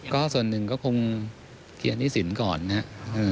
ก็ส่วนหนึ่งก็คงเขียนหนี้สินก่อนนะครับ